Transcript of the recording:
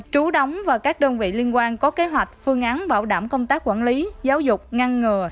trú đóng và các đơn vị liên quan có kế hoạch phương án bảo đảm công tác quản lý giáo dục ngăn ngừa